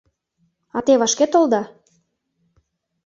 — А те вашке толыда?